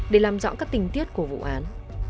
để làm rõ các tình tiết của vụ án